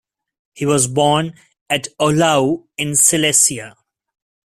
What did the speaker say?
He was born at Ohlau, in Silesia.